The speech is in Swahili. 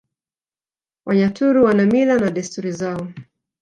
Wanyaturu wana Mila na Desturi zao